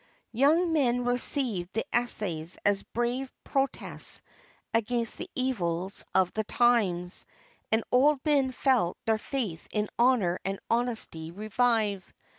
Young men received the Essays as brave protests against the evils of the times, and old men felt their faith in honor and honesty revive.